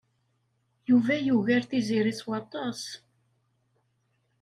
Yuba yugar Tiziri s waṭas.